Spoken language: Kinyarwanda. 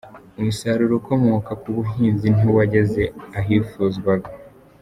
Umusaruro ukomoka ku buhinzi ntiwageze ahifuzwaga.